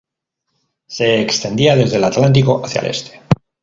Se extendía desde el Atlántico hacia el este.